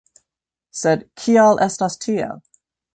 Sed kial estas tiel?